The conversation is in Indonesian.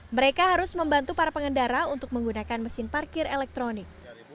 mereka harus membantu para pengendara untuk menggunakan mesin parkir elektronik